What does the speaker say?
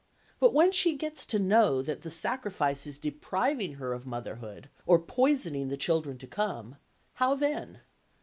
But when she gets to know that the sacrifice is depriving her of motherhood or poisoning the children to come, how then?